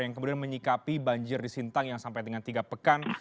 yang kemudian menyikapi banjir di sintang yang sampai dengan tiga pekan